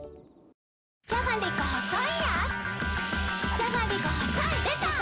じゃがりこ細いやーつ